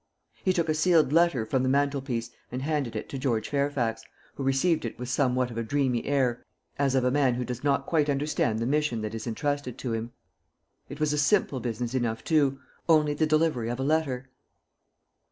He took a sealed letter from the mantelpiece and handed it to George Fairfax, who received it with somewhat of a dreamy air, as of a man who does not quite understand the mission that is intrusted to him. It was a simple business enough, too only the delivery of a letter.